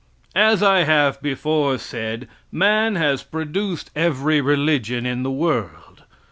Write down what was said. As I have before said, man has produced every religion in the world.